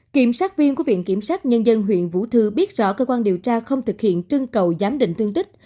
kiểm sát viên của viện kiểm sát nhân dân huyện vũ thư biết rõ cơ quan điều tra không thực hiện trưng cầu giám định thương tích